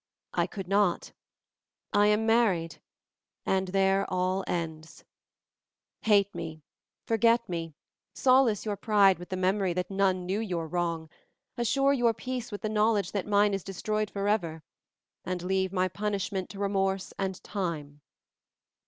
I could not, I am married, and there all ends. Hate me, forget me, solace your pride with the memory that none knew your wrong, assure your peace with the knowledge that mine is destroyed forever, and leave my punishment to remorse and time.